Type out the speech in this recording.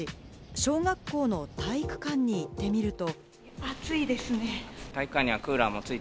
小学校の体育館に行ってみると。